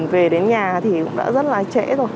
về đến nhà thì cũng đã rất là trễ rồi